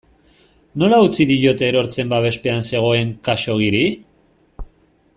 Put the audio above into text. Nola utzi diote erortzen babespean zegoen Khaxoggiri?